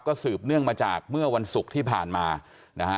ก็สืบเนื่องมาจากเมื่อวันศุกร์ที่ผ่านมานะฮะ